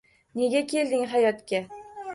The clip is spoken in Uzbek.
Nega kelding hayotga